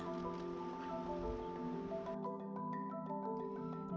yang juga bersinergi dengan pihak swasta